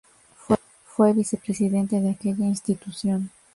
Fue vicepresidente de aquella institución.